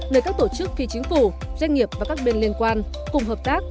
nơi các tổ chức phi chính phủ doanh nghiệp và các bên liên quan cùng hợp tác